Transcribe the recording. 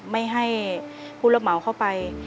ไม่ให้ผู้รับเหมาเข้าไป